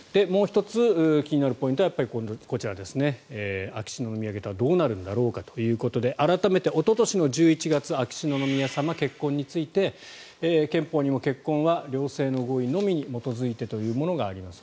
もう１つ気になるポイントはこちら秋篠宮家とはどうなるんだろうかということで改めておととし１２月秋篠宮さま、結婚について憲法にも結婚は両性の合意のみに基づいてというのがあります